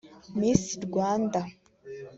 Miss Rwanda